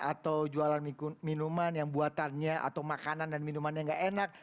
atau jualan minuman yang buatannya atau makanan dan minuman yang gak enak